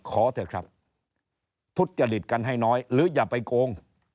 ขอเถอะครับทุจจริตกันให้น้อยหรืออย่าไปโกง